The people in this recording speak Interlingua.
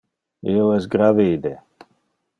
Io es gravide.